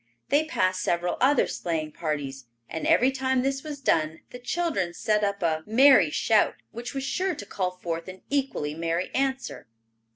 They passed several other sleighing parties, and every time this was done the children set up a merry shout which was sure to call forth an equally merry answer.